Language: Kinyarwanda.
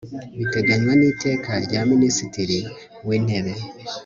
bigenwa n Iteka rya Minisitiri w Intebe